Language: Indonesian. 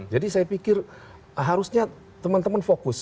jadi saya pikir harusnya teman teman fokus